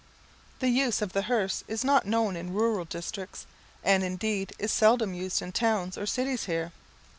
The use of the hearse is not known in rural districts, and, indeed, is seldom used in towns or cities here.